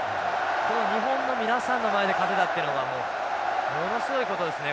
この日本の皆さんの前で勝てたっていうのがものすごいことですね